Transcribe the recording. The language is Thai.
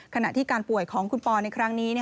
ขณะที่การป่วยของคุณปอในครั้งนี้